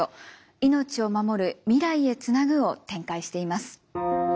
「命をまもる未来へつなぐ」を展開しています。